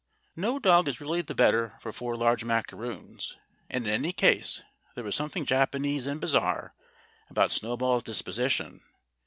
No dog is really the better for four large macaroons, and in any case there was some thing Japanese and bizarre about Snowball's disposi tion.